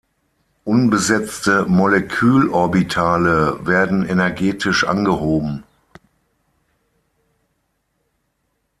Unbesetzte Molekülorbitale werden energetisch angehoben.